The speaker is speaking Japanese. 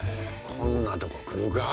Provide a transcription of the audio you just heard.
こんなとこ来るか？